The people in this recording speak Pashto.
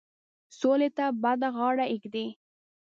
سولي ته به غاړه ایږدي.